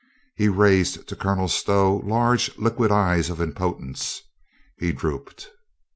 He raised to Colonel Stow large liquid eyes of impotence. ,He drooped.